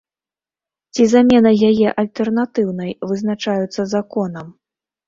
Ці замена яе альтэрнатыўнай вызначаюцца законам.